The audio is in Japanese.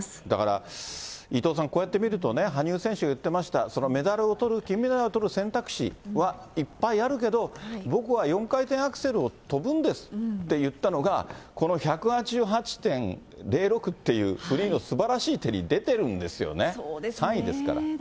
だから、伊藤さん、こうやって見るとね、羽生選手言ってました、メダルをとる、金メダルをとる選択肢はいっぱいあるけど、僕は４回転アクセルを跳ぶんですって言ったのが、この１８８．０６っていう、フリーのすばらしい点に出てるんですよね、３位ですから。